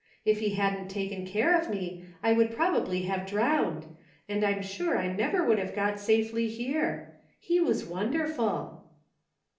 If he hadn't taken care of me I would probably have drowned, and I'm sure I never would have got safdy here. He was wonderful